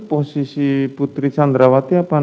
posisi putri sandrawatiya